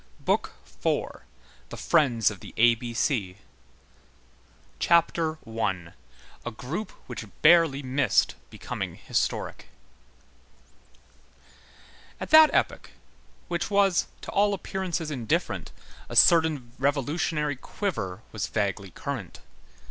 BOOK FOURTH—THE FRIENDS OF THE A B C CHAPTER I—A GROUP WHICH BARELY MISSED BECOMING HISTORIC At that epoch, which was, to all appearances indifferent, a certain revolutionary quiver was vaguely current.